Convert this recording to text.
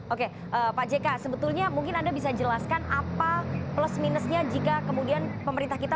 oke pak jk sebetulnya mungkin anda bisa jelaskan apa plus minusnya jika kemudian pemerintah kita